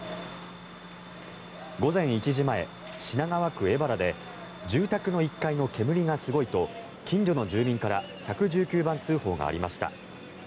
午前１時前、品川区荏原で住宅の１階の煙がすごいと近所の住民から１１９番通報がありました。